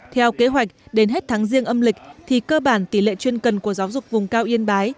theo kế hoạch đến hết tháng riêng âm lịch thì cơ bản tỷ lệ chuyên cần của giáo dục vùng cao yên bái